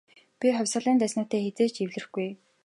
Би хувьсгалын дайснуудтай хэзээ ч эвлэрэхгүй.